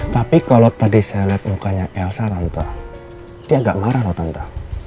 tapi kalo tadi saya liat mukanya elsa tante dia agak marah loh tante